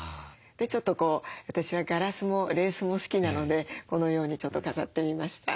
でちょっと私はガラスもレースも好きなのでこのようにちょっと飾ってみました。